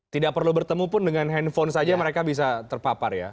tidak perlu bertemu pun dengan handphone saja mereka bisa terpapar ya